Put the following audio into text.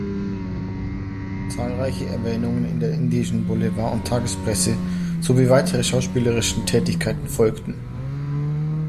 Zahlreiche Erwähnungen in der indischen Boulevard- und Tagespresse sowie weitere schauspielerischen Tätigkeiten folgten.